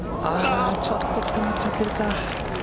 ちょっとつかまっちゃってるか。